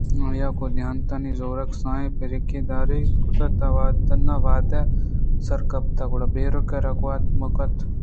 آئی ءَ گوں دنتانانی زورءَ کسانیں بیرکے داراں کُت کہ تنا وہداں آسر کپت گُڑا آ بیرک ءَرا گوٛات ءَ مِکّ کُت